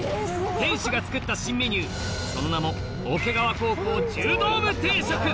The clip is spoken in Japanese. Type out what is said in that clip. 店主が作った新メニューその名も桶川高校柔道部定食！